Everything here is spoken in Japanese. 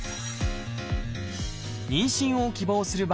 妊娠を希望する場合